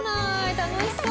楽しそう！